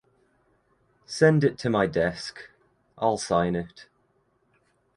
Send it to my desk. I’ll sign it.